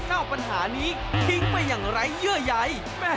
ปัญหานี้ทิ้งไปอย่างไร้เยื่อใย